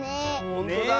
ほんとだ！